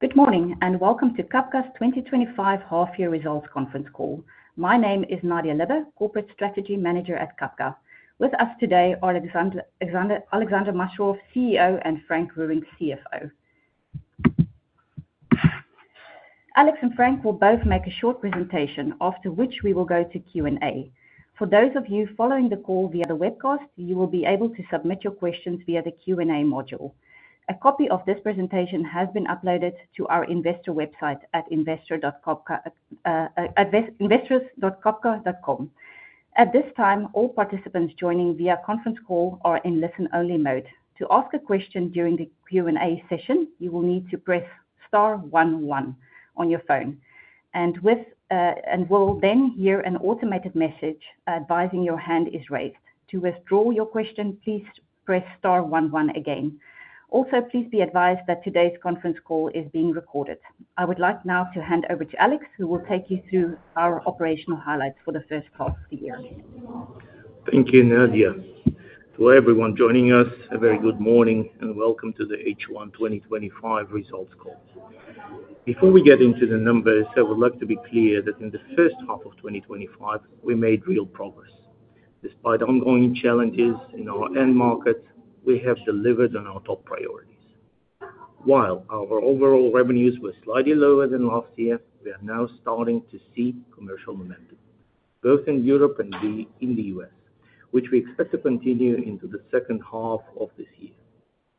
Good morning and welcome to Cabka's 2025 Half-Year Results Conference Call. My name is Nadia Lubbe, Corporate Strategy Manager at Cabka. With us today are Alexander Masharov, CEO, and Frank Roerink, CFO. Alex and Frank will both make a short presentation, after which we will go to Q&A. For those of you following the call via the webcast, you will be able to submit your questions via the Q&A module. A copy of this presentation has been uploaded to our investor website at investors.cabka.com. At this time, all participants joining via conference call are in listen-only mode. To ask a question during the Q&A session, you will need to press star one one on your phone. You will then hear an automated message advising your hand is raised. To withdraw your question, please press star one one again. Also, please be advised that today's conference call is being recorded. I would like now to hand over to Alex, who will take you through our operational highlights for the first half of the year. Thank you, Nadia. Hello everyone joining us. A very good morning and welcome to the H1 2025 Results Call. Before we get into the numbers, I would like to be clear that in the first half of 2025, we made real progress. Despite ongoing challenges in our end markets, we have delivered on our top priority. While our overall revenues were slightly lower than last year, we are now starting to see commercial momentum, both in Europe and in the U.S., which we expect to continue into the second half of this year.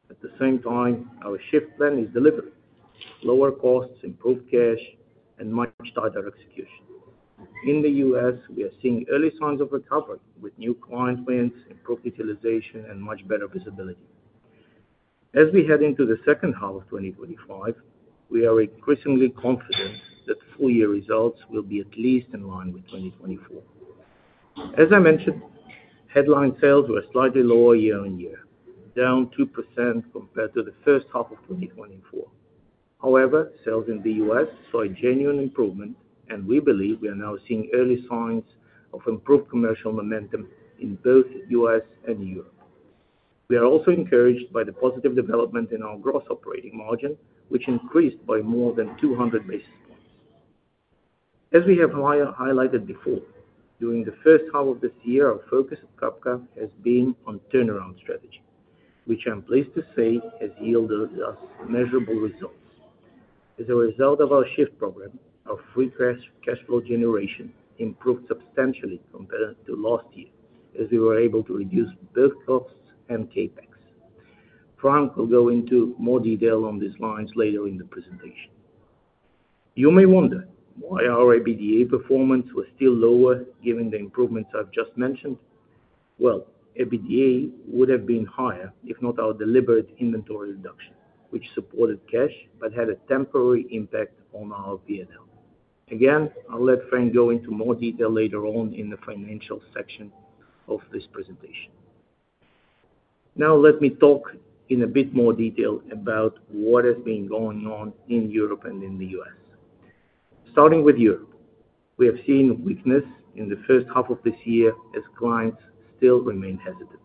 At the same time, our shift plan is delivering: lower costs, improved cash, and much wider execution. In the U.S., we are seeing early signs of recovery, with new client wins, improved utilization, and much better visibility. As we head into the second half of 2025, we are increasingly confident that full-year results will be at least in line with 2024. As I mentioned, headline sales were slightly lower year-on-year, down 2% compared to the first half of 2024. However, sales in the U.S. saw a genuine improvement, and we believe we are now seeing early signs of improved commercial momentum in both the U.S. and Europe. We are also encouraged by the positive development in our gross operating margin, which increased by more than 200 basis points. As we have highlighted before, during the first half of this year, our focus at Cabka has been on turnaround strategy, which I'm pleased to say has yielded measurable results. As a result of our shift program, our free cash flow generation improved substantially compared to last year, as we were able to reduce both costs and capital expenditure. Frank will go into more detail on these lines later in the presentation. You may wonder why our EBITDA performance was still lower, given the improvements I've just mentioned. EBITDA would have been higher if not for our deliberate inventory reduction, which supported cash but had a temporary impact on our P&L. I will let Frank go into more detail later on in the financial section of this presentation. Now, let me talk in a bit more detail about what has been going on in Europe and in the U.S. Starting with Europe, we have seen weakness in the first half of this year, as clients still remain hesitant.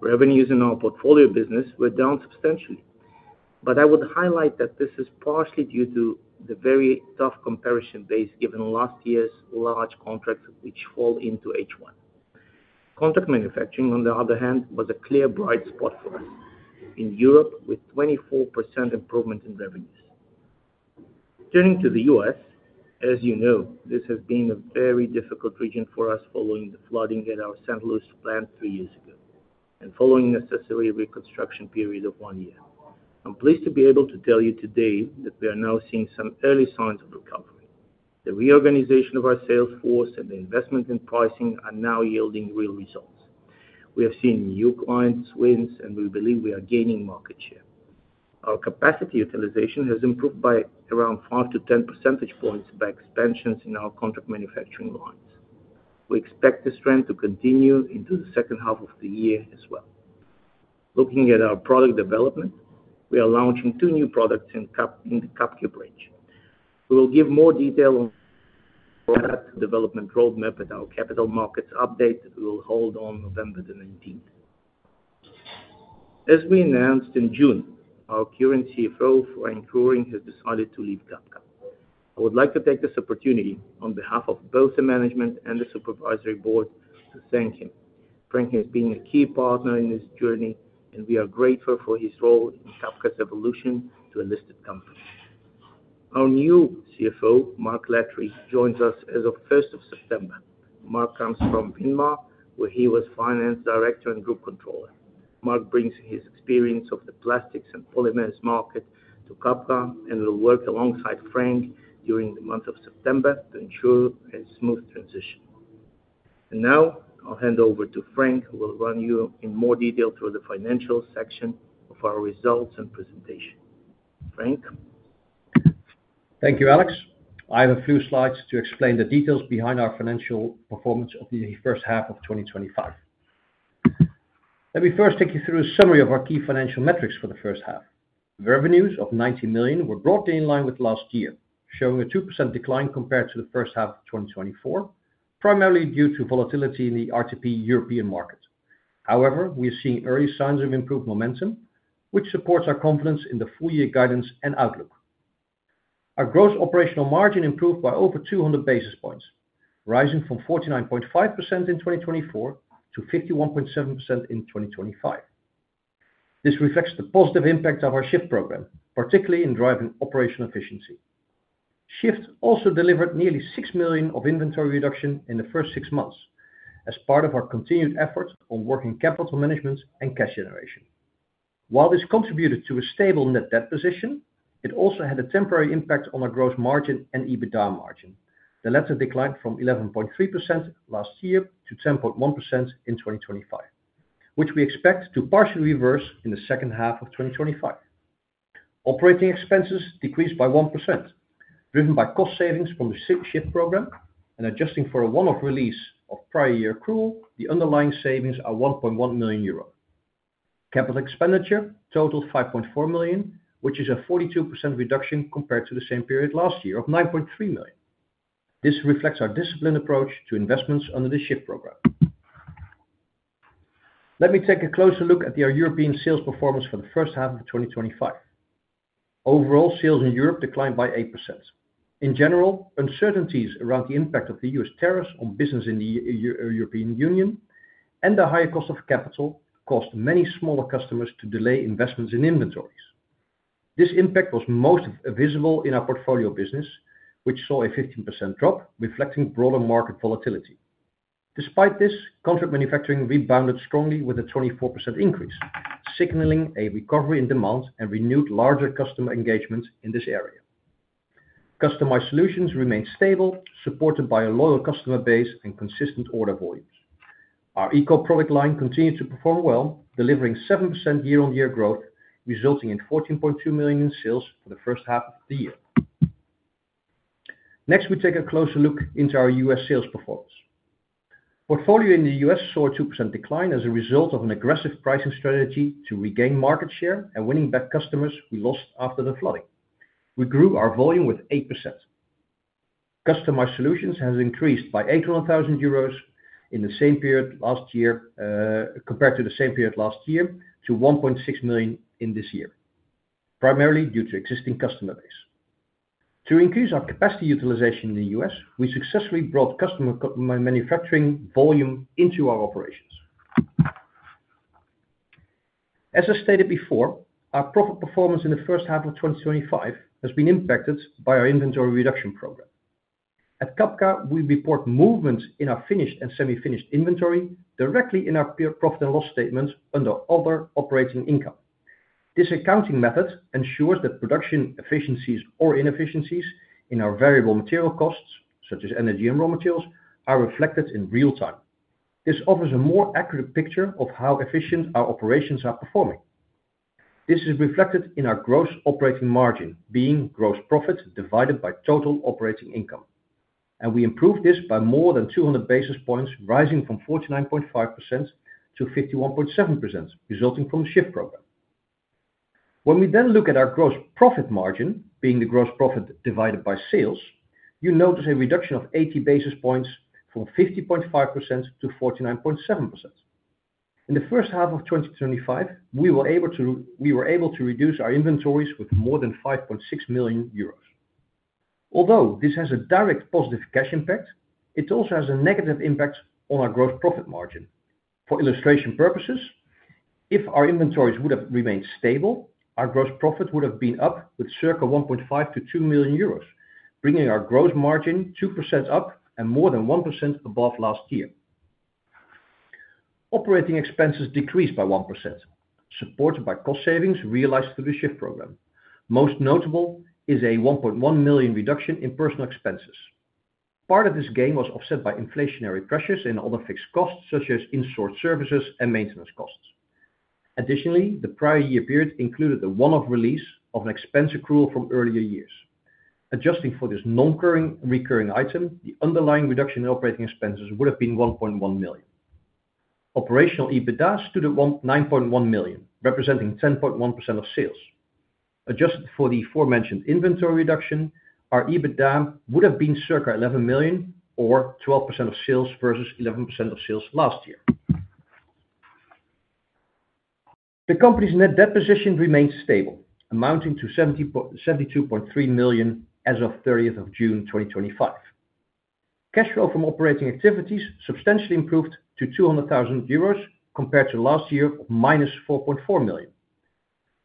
Revenues in our portfolio business were down substantially, but I would highlight that this is partially due to the very tough comparison base given last year's large contracts which fall into H1. Contract manufacturing, on the other hand, was a clear bright spot for us in Europe, with 24% improvement in revenues. Turning to the U.S., as you know, this has been a very difficult region for us following the flooding at our St. Louis plant three years ago and following a necessary reconstruction period of one year. I'm pleased to be able to tell you today that we are now seeing some early signs of recovery. The reorganization of our sales force and the investment in pricing are now yielding real results. We have seen new client wins, and we believe we are gaining market share. Our capacity utilization has improved by around 5%-10% by expansions in our contract manufacturing lines. We expect this trend to continue into the second half of the year as well. Looking at our product development, we are launching two new products in the Cabka branch. We will give more detail on that development roadmap at our Capital Markets update that we will hold on November 19. As we announced in June, our current CFO, Frank Roerink, has decided to leave Cabka. I would like to take this opportunity on behalf of both the Management and the Supervisory Board to thank him. Frank has been a key partner in this journey, and we are grateful for his role in Cabka's evolution to a listed company. Our new CFO, Mark Lettrie, joins us as of September 1. Mark comes from Vinmar, where he was Finance Director and Group Controller. Mark brings his experience of the plastics and polymers market to Cabka and will work alongside Frank during the month of September to ensure a smooth transition. Now, I'll hand over to Frank, who will run you in more detail through the financial section of our results and presentation. Frank? Thank you, Alex. I have a few slides to explain the details behind our financial performance of the first half of 2025. Let me first take you through a summary of our key financial metrics for the first half. Revenues of 90 million were broadly in line with last year, showing a 2% decline compared to the first half of 2024, primarily due to volatility in the Reusable Transport Packaging European market. However, we are seeing early signs of improved momentum, which supports our confidence in the full-year guidance and outlook. Our gross operating margin improved by over 200 basis points, rising from 49.5% in 2024 to 51.7% in 2025. This reflects the positive impact of our shift program, particularly in driving operational efficiency. Shift also delivered nearly 6 million of inventory reduction in the first six months as part of our continued efforts on working capital management and cash generation. While this contributed to a stable net debt position, it also had a temporary impact on our gross profit margin and EBITDA margin that led to a decline from 11.3% last year to 10.1% in 2025, which we expect to partially reverse in the second half of 2025. Operating expenses decreased by 1%, driven by cost savings from the shift program and adjusting for a one-off release of prior year accrual. The underlying savings are 1.1 million euro. Capital expenditure totaled 5.4 million, which is a 42% reduction compared to the same period last year of 9.3 million. This reflects our disciplined approach to investments under the shift program. Let me take a closer look at our European sales performance for the first half of 2025. Overall, sales in Europe declined by 8%. In general, uncertainties around the impact of the U.S. tariffs on business in the European Union and the higher cost of capital caused many smaller customers to delay investments in inventories. This impact was most visible in our portfolio business, which saw a 15% drop, reflecting broader market volatility. Despite this, contract manufacturing rebounded strongly with a 24% increase, signaling a recovery in demand and renewed larger customer engagement in this area. Customized solutions remain stable, supported by a loyal customer base and consistent order volumes. Our eco-product line continued to perform well, delivering 7% year-on-year growth, resulting in 14.2 million in sales for the first half of the year. Next, we take a closer look into our U.S. sales performance. Portfolio in the U.S. saw a 2% decline as a result of an aggressive pricing strategy to regain market share and winning back customers we lost after the flooding. We grew our volume with 8%. Customized solutions have increased by 800,000 euros in the same period last year, compared to the same period last year, to 1.6 million in this year, primarily due to existing customer base. To increase our capacity utilization in the U.S., we successfully brought contract manufacturing volume into our operation. As I stated before, our profit performance in the first half of 2025 has been impacted by our inventory reduction program. At Cabka, we report movements in our finished and semi-finished inventory directly in our pure profit and loss statements under Other Operating Income. This accounting method ensures that production efficiencies or inefficiencies in our variable material costs, such as energy and raw materials, are reflected in real time. This offers a more accurate picture of how efficient our operations are performing. This is reflected in our gross operating margin, being gross profit divided by total operating Income, and we improved this by more than 200 basis points, rising from 49.5%-51.7%, resulting from the shift program. When we then look at our gross profit margin, being the gross profit divided by sales, you notice a reduction of 80 basis points from 50.5%-49.7%. In the first half of 2025, we were able to reduce our inventories with more than 5.6 million euros. Although this has a direct positive cash impact, it also has a negative impact on our gross profit margin. For illustration purposes, if our inventories would have remained stable, our gross profit would have been up with circa 1.5-2 million euros, bringing our gross margin 2% up and more than 1% above last year. Operating expenses decreased by 1%, supported by cost savings realized through the shift program. Most notable is a 1.1 million reduction in personnel expenses. Part of this gain was offset by inflationary pressures and other fixed costs, such as in-store services and maintenance costs. Additionally, the prior year period included a one-off release of an expense accrual from earlier years. Adjusting for this non-recurring item, the underlying reduction in operating expenses would have been 1.1 million. Operational EBITDA stood at 9.1 million, representing 10.1% of sales. Adjusted for the aforementioned inventory reduction, our EBITDA would have been circa 11 million or 12% of sales versus 11% of sales last year. The company's net debt position remains stable, amounting to 72.3 million as of June 30th, 2025. Cash flow from operating activities substantially improved to 200,000 euros compared to last year, -4.4 million.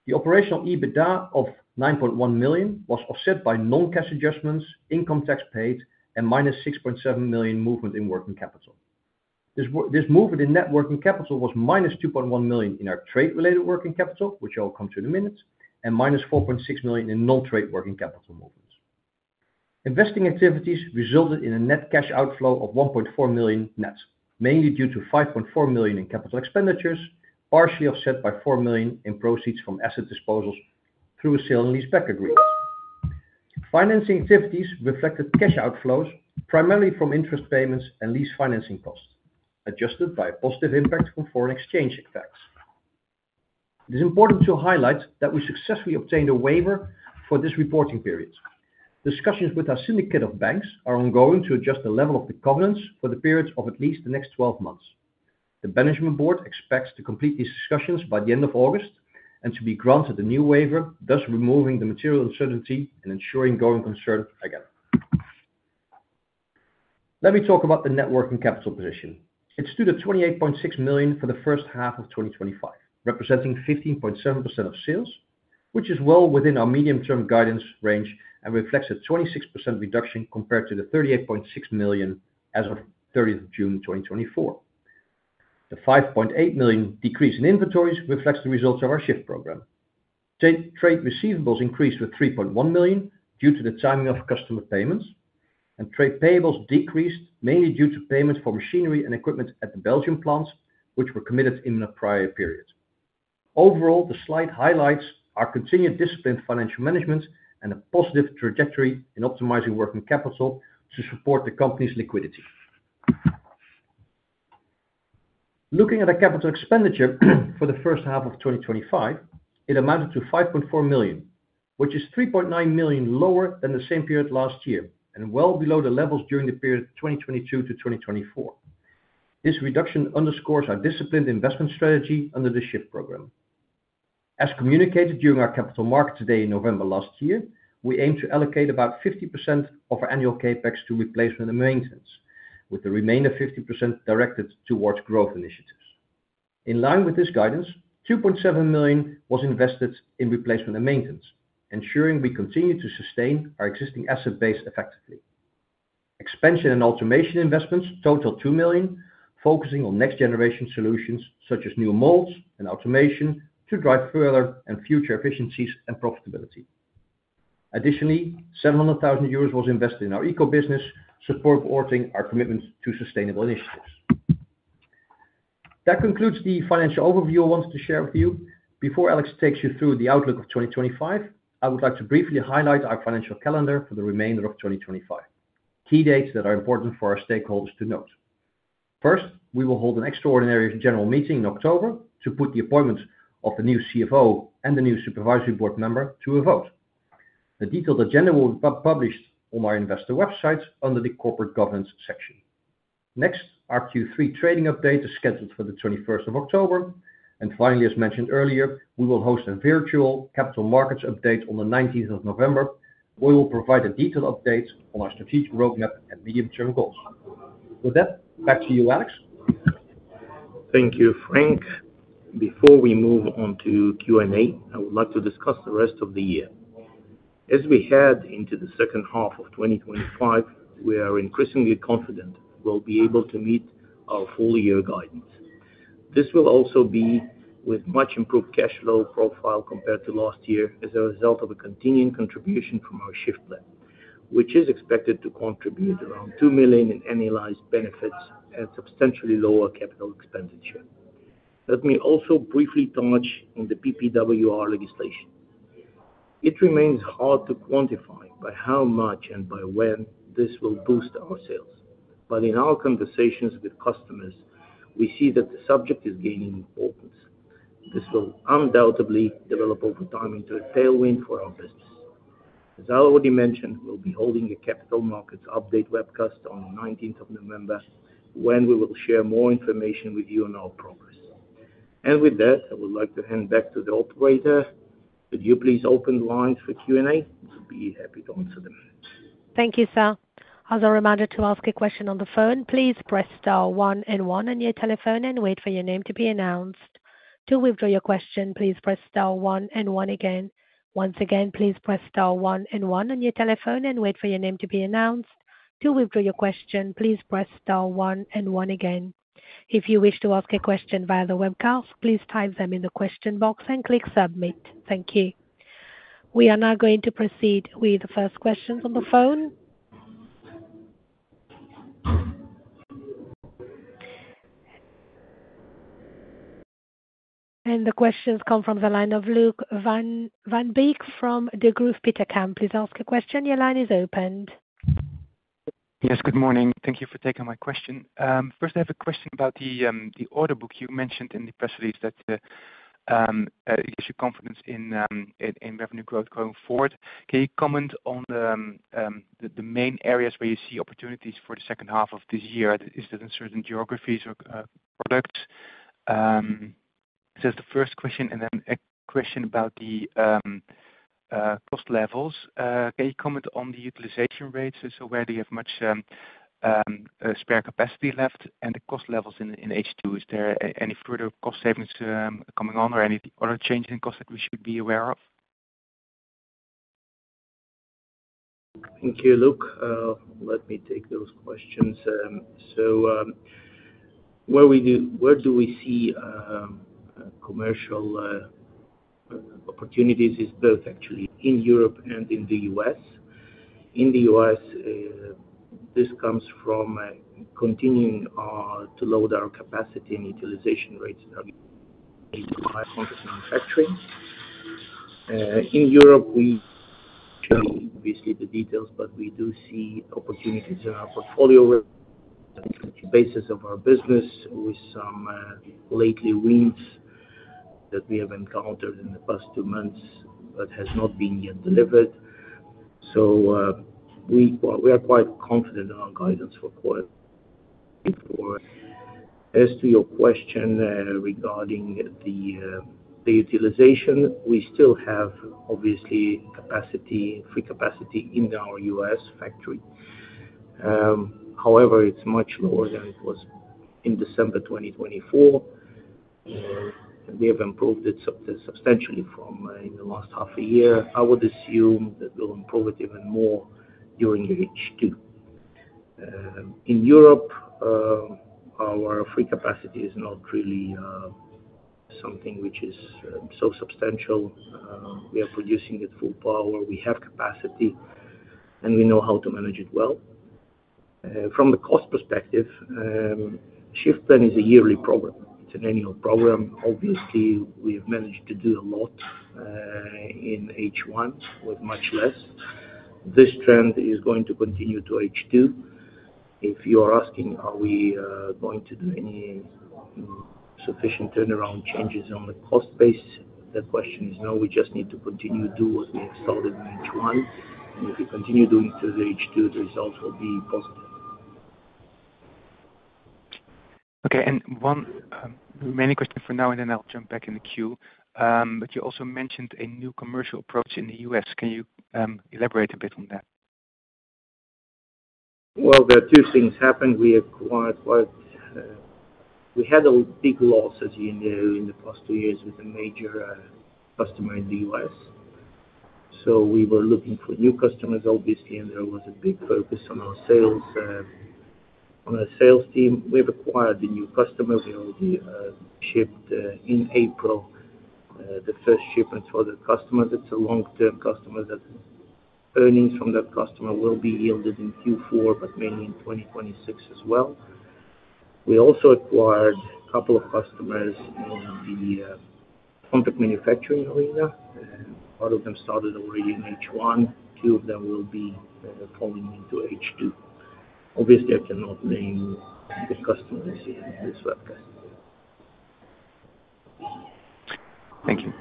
The operational EBITDA of 9.1 million was offset by non-cash adjustments, income tax paid, and -6.7 million movement in working capital. This movement in net working capital was -2.1 million in our trade-related working capital, which I'll come to in a minute, and -4.6 million in non-trade working capital movements. Investing activities resulted in a net cash outflow of 1.4 million, mainly due to 5.4 million in capital expenditures, partially offset by 4 million in proceeds from asset disposals through sale and lease-back agreements. Financing activities reflected cash outflows, primarily from interest payments and lease financing costs, adjusted by a positive impact from foreign exchange tax. It is important to highlight that we successfully obtained a waiver for this reporting period. Discussions with our syndicate of banks are ongoing to adjust the level of the covenants for the periods of at least the next 12 months. The Management Board expects to complete these discussions by the end of August and to be granted a new waiver, thus removing the material uncertainty and ensuring going concerted again. Let me talk about the net working capital position. It stood at 28.6 million for the first half of 2025, representing 15.7% of sales, which is well within our medium-term guidance range and reflects a 26% reduction compared to the 38.6 million as of June 30, 2024. The 5.8 million decrease in inventories reflects the results of our shift program. Trade receivables increased with 3.1 million due to the timing of customer payments, and trade payables decreased mainly due to payments for machinery and equipment at the Belgium plants, which were committed in the prior period. Overall, the slight highlights are continued disciplined financial management and a positive trajectory in optimizing working capital to support the company's liquidity. Looking at our capital expenditure for the first half of 2025, it amounted to 5.4 million, which is 3.9 million lower than the same period last year and well below the levels during the period of 2022-2024. This reduction underscores our disciplined investment strategy under the shift program. As communicated during our Capital Markets Day in November last year, we aim to allocate about 50% of our annual CapEx to replacement and maintenance, with the remainder 50% directed towards growth initiatives. In line with this guidance, 2.7 million was invested in replacement and maintenance, ensuring we continue to sustain our existing asset base effectively. Expansion and automation investments totaled 2 million, focusing on next-generation solutions such as new molds and automation to drive further future efficiencies and profitability. Additionally, 700,000 euros was invested in our eco-business, supporting our commitment to sustainable initiatives. That concludes the financial overview I wanted to share with you. Before Alex takes you through the outlook of 2025, I would like to briefly highlight our financial calendar for the remainder of 2025, key dates that are important for our stakeholders to note. First, we will hold an extraordinary general meeting in October to put the appointments of the new CFO and the new Supervisory Board member to a vote. A detailed agenda will be published on our investor websites under the Corporate Governance section. Next, our Q3 trading update is scheduled for the 21st of October. Finally, as mentioned earlier, we will host a virtual Capital Markets update on the 19th of November, where we will provide a detailed update on our strategic roadmap and medium-term goals. With that, back to you, Alex. Thank you, Frank. Before we move on to Q&A, I would like to discuss the rest of the year. As we head into the second half of 2025, we are increasingly confident we'll be able to meet our full-year guidance. This will also be with a much improved cash flow profile compared to last year as a result of a continuing contribution from our shift plan, which is expected to contribute around 2 million in annualized benefits and substantially lower capital expenditure. Let me also briefly touch on the PPWR legislation. It remains hard to quantify by how much and by when this will boost our sales, but in our conversations with customers, we see that the subject is gaining importance. This will undoubtedly develop over time into a tailwind for our business. As I already mentioned, we'll be holding a capital markets update webcast on the 19th of November when we will share more information with you on our progress. With that, I would like to hand back to the operator. Could you please open the lines for Q&A? We'll be happy to answer them. Thank you, sir. As a reminder, to ask a question on the phone, please press star one and one on your telephone and wait for your name to be announced. To withdraw your question, please press star one and one again. Once again, please press star one and one on your telephone and wait for your name to be announced. To withdraw your question, please press star one and one again. If you wish to ask a question via the webcast, please type them in the question box and click submit. Thank you. We are now going to proceed with the first questions on the phone. The questions come from the line of Luuk Van Beek from the Degroof Petercam. Please ask your question. Your line is opened. Yes, good morning. Thank you for taking my question. First, I have a question about the order book you mentioned in the press release that gives you confidence in revenue growth going forward. Can you comment on the main areas where you see opportunities for the second half of this year? Is that in certain geographies or products? That's the first question. A question about the cost levels. Can you comment on the utilization rates? Where do you have much spare capacity left? The cost levels in H2, is there any further cost savings coming on or any other changes in cost that we should be aware of? Thank you, Luke. Let me take those questions. Where we see commercial opportunities is both actually in Europe and in the U.S. In the U.S., this comes from continuing to lower our capacity and utilization rates in our contract manufacturing. In Europe, we don't really see the details, but we do see opportunities in our portfolio basis of our business with some lately wins that we have encountered in the past two months that have not been yet delivered. We are quite confident in our guidance for quarter. As to your question regarding the utilization, we still have obviously free capacity in our U.S. factory. However, it's much lower than it was in December 2024, and we have improved it substantially in the last half a year. I would assume that we'll improve it even more during the H2. In Europe, our free capacity is not really something which is so substantial. We are producing at full power. We have capacity, and we know how to manage it well. From the cost perspective, the shift plan is a yearly program. It's an annual program. Obviously, we have managed to do a lot in H1 with much less. This trend is going to continue to H2. If you are asking, are we going to do any sufficient turnaround changes on the cost base? The question is no. We just need to continue to do what we started in H1. If we continue doing it through the H2, the results will be positive. Okay. One remaining question for now, then I'll jump back in the queue. You also mentioned a new commercial approach in the U.S. Can you elaborate a bit on that? There are two things happened. We had a big loss, as you know, in the past two years with a major customer in the U.S. We were looking for new customers, obviously, and there was a big focus on our sales team. We have acquired the new customer. We already shipped in April the first shipment for the customer. That's a long-term customer; earnings from that customer will be yielded in Q4, but mainly in 2026 as well. We also acquired a couple of customers in the contract manufacturing arena. A lot of them started already in H1. A few of them will be falling into H2. Obviously, I cannot name the customer this year in this webcast. Thank you.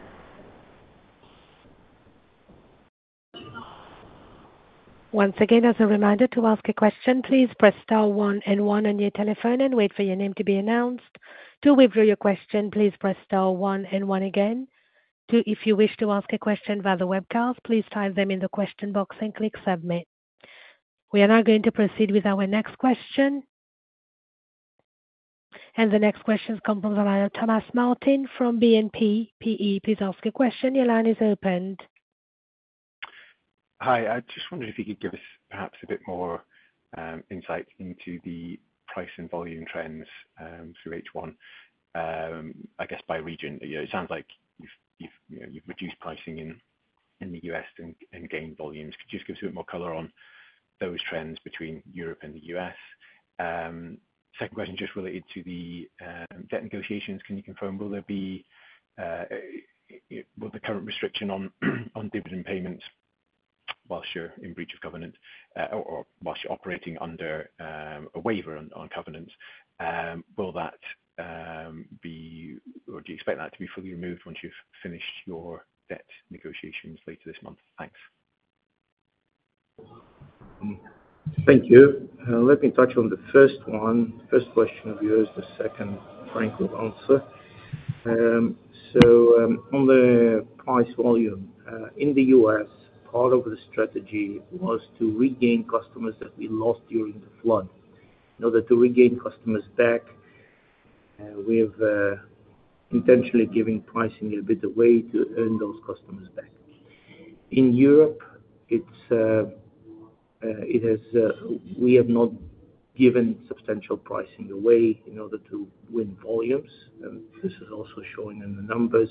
Once again, as a reminder to ask a question, please press star one and one on your telephone and wait for your name to be announced. To withdraw your question, please press star one and one again. If you wish to ask a question via the webcast, please type them in the question box and click submit. We are now going to proceed with our next question. The next questions come from the line of Thomas Martin from BNP Paribas. Please ask your question. Your line is opened. Hi. I just wondered if you could give us perhaps a bit more insight into the price and volume trends through H1. I guess by region, you know it sounds like you've reduced pricing in the U.S. and gained volumes. Could you just give us a bit more color on those trends between Europe and the U.S.? Second question just related to the debt negotiations. Can you confirm, will there be, will the current restriction on dividend payments whilst you're in breach of covenant or whilst you're operating under a waiver on covenants, will that be, or do you expect that to be fully removed once you've finished your debt negotiations later this month? Thanks. Thank you. Let me touch on the first one. The first question of yours is the second, Frank will answer. On the price volume in the U.S., part of the strategy was to regain customers that we lost during the flood. In order to regain customers back, we have intentionally given pricing a bit away to earn those customers back. In Europe, we have not given substantial pricing away in order to win volumes. This is also showing in the numbers.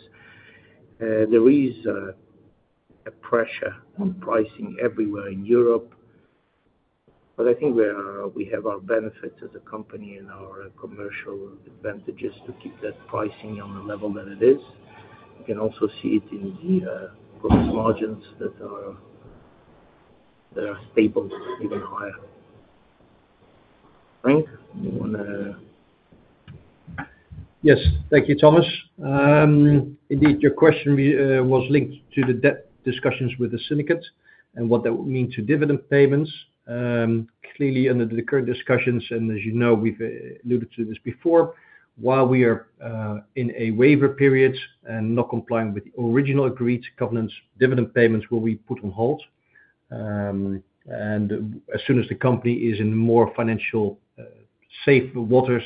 There is a pressure on pricing everywhere in Europe. I think we have our benefits as a company and our commercial advantages to keep that pricing on the level that it is. You can also see it in the gross margins that are stable, even higher. Frank? You want to? Yes. Thank you, Thomas. Indeed, your question was linked to the debt discussions with the syndicate of banks and what that would mean to dividend payments. Clearly, under the current discussions, and as you know, we've alluded to this before, while we are in a waiver period and not complying with the original agreed covenants, dividend payments will be put on hold. As soon as the company is in more financially safe waters,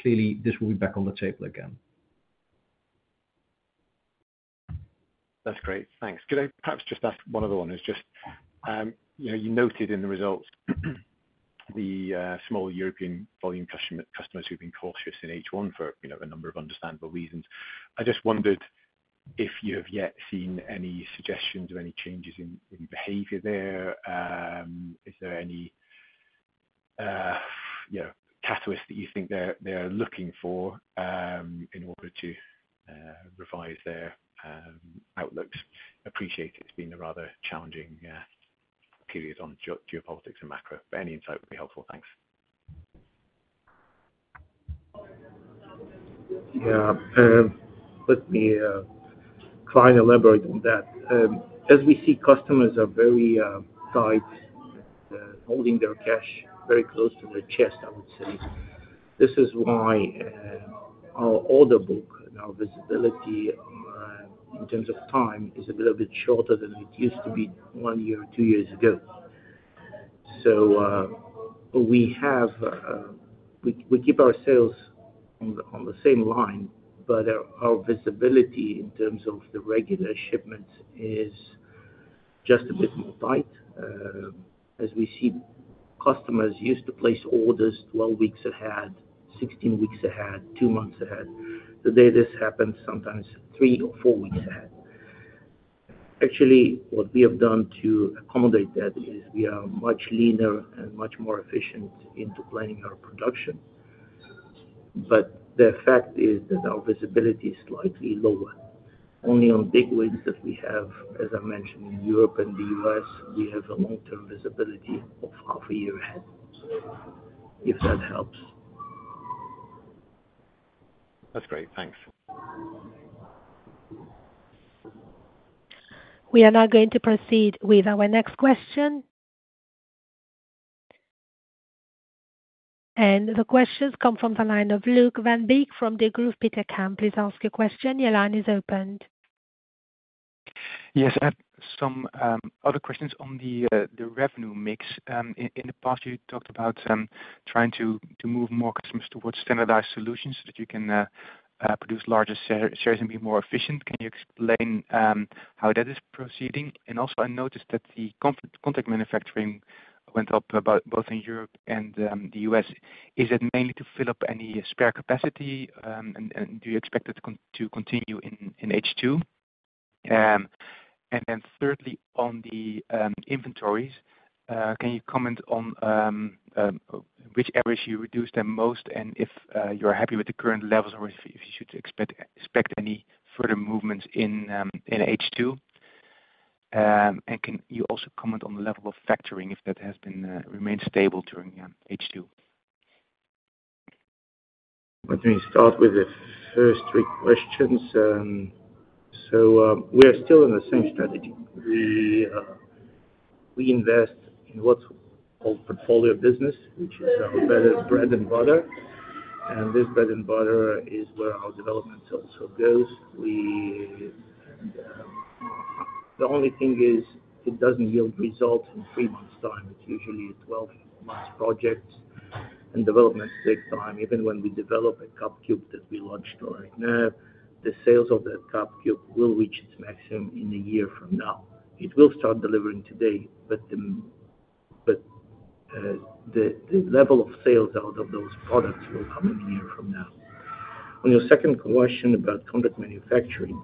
clearly, this will be back on the table again. That's great. Thanks. Could I perhaps just ask one other one? You noted in the results the small European volume customers who've been cautious in H1 for a number of understandable reasons. I just wondered if you have yet seen any suggestions or any changes in behavior there. Is there any catalyst that you think they're looking for in order to revise their outlooks? I appreciate it's been a rather challenging period on geopolitics and macro. Any insight would be helpful. Thanks. Let me try and elaborate on that. As we see, customers are very tight, holding their cash very close to their chest, I would say. This is why our order book and our visibility in terms of time is a little bit shorter than it used to be one year or two years ago. We keep ourselves on the same line, but our visibility in terms of the regular shipment is just a bit more tight. As we see, customers used to place orders 12 weeks ahead, 16 weeks ahead, two months ahead. Today, this happens sometimes three or four weeks ahead. Actually, what we have done to accommodate that is we are much leaner and much more efficient in planning our production. The fact is that our visibility is slightly lower. Only on big wins that we have, as I mentioned, in Europe and the U.S., we have a long-term visibility of half a year ahead, if that helps. That's great. Thanks. We are now going to proceed with our next question. The questions come from the line of Luuk Van Beek from Degroof Petercam. Please ask your question. Your line is opened. Yes. I have some other questions on the revenue mix. In the past, you talked about trying to move more customers towards standardized solutions so that you can produce larger shares and be more efficient. Can you explain how that is proceeding? I noticed that the contract manufacturing went up both in Europe and the U.S. Is it mainly to fill up any spare capacity, and do you expect it to continue in H2? Thirdly, on the inventories, can you comment on which areas you reduced them most and if you're happy with the current levels or if you should expect any further movements in H2? Can you also comment on the level of factoring if that has remained stable during H2? Let me start with the first three questions. We are still in the same strategy. We invest in what's called portfolio business, which is our bread and butter. This bread and butter is where our development also goes. The only thing is it doesn't yield results in three months' time. It's usually a 12-month project, and developments take time. Even when we develop a cupcube that we launched right now, the sales of that cupcube will reach its maximum in a year from now. It will start delivering today, but the level of sales out of those products will come in a year from now. On your second question about contract manufacturing,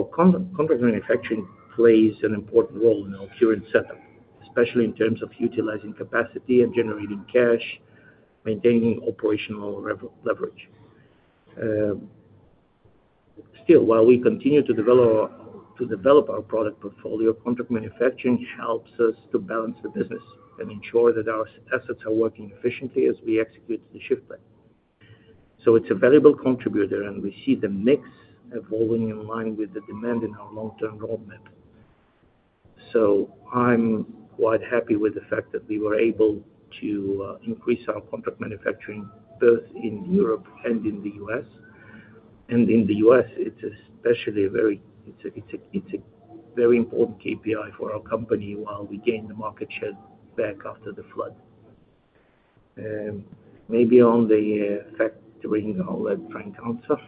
contract manufacturing plays an important role in our current setup, especially in terms of utilizing capacity and generating cash, maintaining operational leverage. While we continue to develop our product portfolio, contract manufacturing helps us to balance the business and ensure that our assets are working efficiently as we execute the shift plan. It's a valuable contributor, and we see the mix evolving in line with the demand in our long-term roadmap. I'm quite happy with the fact that we were able to increase our contract manufacturing both in Europe and in the U.S. In the U.S., it's especially a very important KPI for our company while we gained the market share back after the flood. Maybe on the factoring, I'll let Frank answer.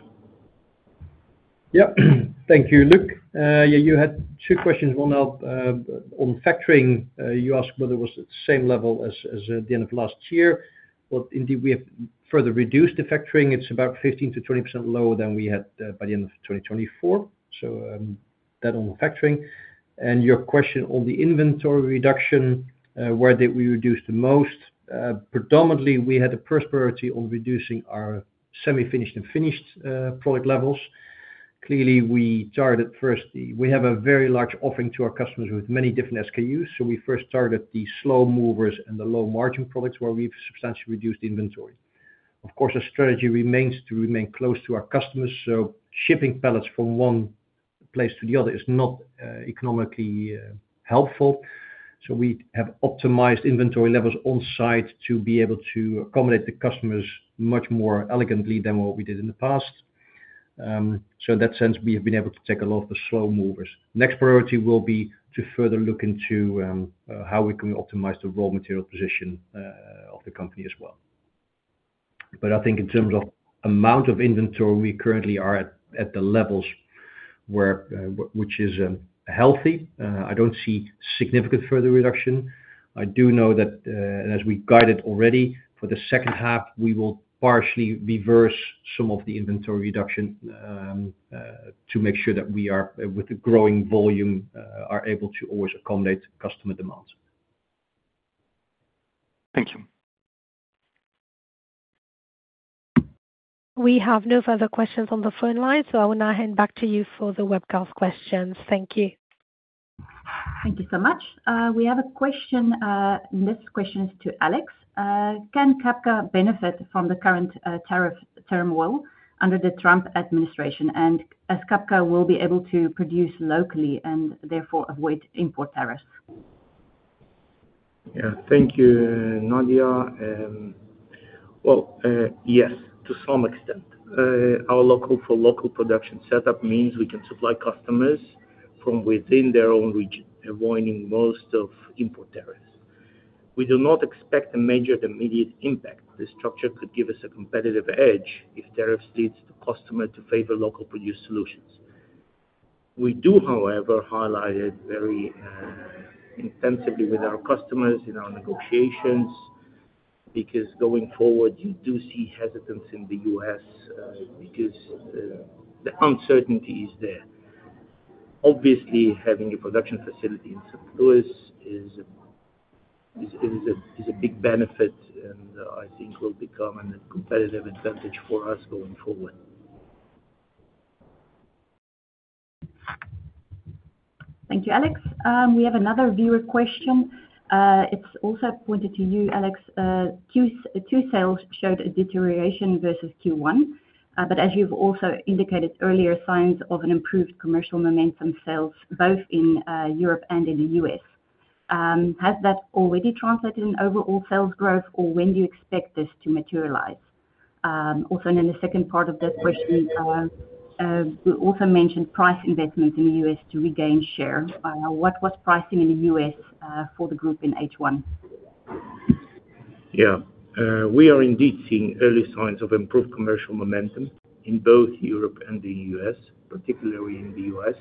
Thank you, Luke. You had two questions. One up on factoring. You asked whether it was at the same level as at the end of last year, but indeed, we have further reduced the factoring. It's about 15%-20% lower than we had by the end of 2024. That on factoring. Your question on the inventory reduction, where did we reduce the most? Predominantly, we had a first priority on reducing our semi-finished and finished product levels. Clearly, we targeted first the—we have a very large offering to our customers with many different SKUs. We first targeted the slow movers and the low-margin products where we've substantially reduced the inventory. Of course, our strategy remains to remain close to our customers. Shipping pallets from one place to the other is not economically helpful. We have optimized inventory levels on-site to be able to accommodate the customers much more elegantly than what we did in the past. In that sense, we have been able to take a lot of the slow movers. Next priority will be to further look into how we can optimize the raw material position of the company as well. I think in terms of the amount of inventory, we currently are at the levels which is healthy. I don't see significant further reduction. I do know that, and as we guided already, for the second half, we will partially reverse some of the inventory reduction to make sure that we are, with the growing volume, able to always accommodate customer demands. Thank you. We have no further questions on the phone line, so I will now hand back to you for the webcast questions. Thank you. Thank you so much. We have a question. This question is to Alex. Can Cabka benefit from the current tariff term wall under the Trump administration? Can Cabka be able to produce locally and therefore avoid import tariffs? Thank you, Nadia. Yes, to some extent. Our local-for-local production setup means we can supply customers from within their own region, avoiding most import tariffs. We do not expect a major immediate impact, but the structure could give us a competitive edge if tariffs lead the customer to favor local-produced solutions. We do, however, highlight it very intensively with our customers in our negotiations because going forward, you do see hesitance in the U.S. because the uncertainty is there. Obviously, having a production facility in St. Louis is a big benefit and I think will become a competitive advantage for us going forward. Thank you, Alex. We have another viewer question. It's also pointed to you, Alex. Q2 sales showed a deterioration versus Q1, but as you've also indicated earlier, signs of an improved commercial momentum, sales both in Europe and in the U.S. Has that already translated in overall sales growth, or when do you expect this to materialize? Also, the second part of that question, we also mentioned price investment in the U.S. to regain share. What was pricing in the U.S. for the group in H1? Yeah. We are indeed seeing early signs of improved commercial momentum in both Europe and the U.S., particularly in the U.S.,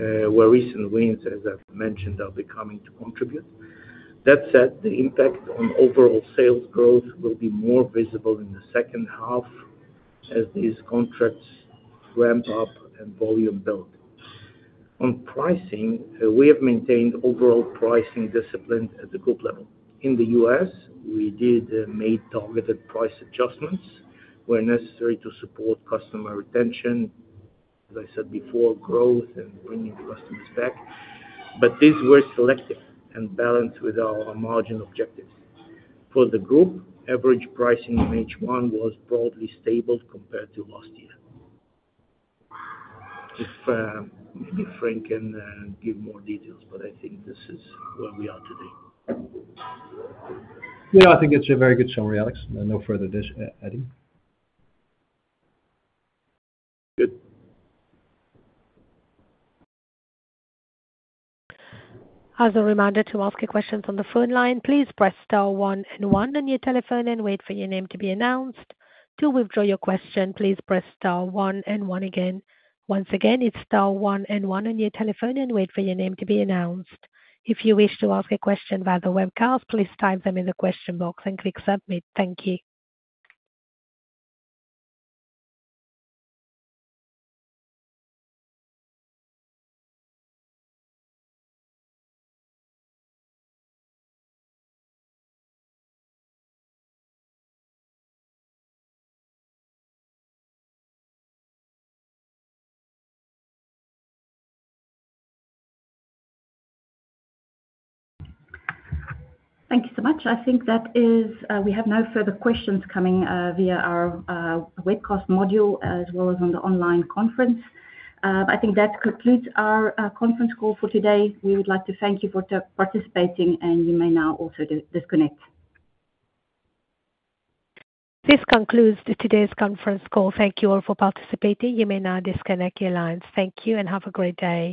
where recent wins as I've mentioned are beginning to contribute. That said, the impact on overall sales growth will be more visible in the second half as these contracts ramp up and volumes build. On pricing, we have maintained overall pricing discipline at the group level. In the U.S., we did make targeted price adjustments where necessary to support customer retention, as I said before, growth and bringing the customers back. These were selective and balanced with our margin objectives. For the group, average pricing in H1 was broadly stable compared to last year. Maybe Frank can give more details, but I think this is where we are today. Yeah, I think it's a very good summary, Alexander. No further adding. Good. As a reminder, to ask your questions on the phone line, please press star one and one on your telephone and wait for your name to be announced. To withdraw your question, please press star one and one again. Once again, it's star one and one on your telephone and wait for your name to be announced. If you wish to ask a question via the webcast, please type them in the question box and click submit. Thank you. Thank you so much. I think that as we have no further questions coming via our webcast module as well as on the online conference, that concludes our conference call for today. We would like to thank you for participating, and you may now also disconnect. This concludes today's conference call. Thank you all for participating. You may now disconnect your lines. Thank you and have a great day.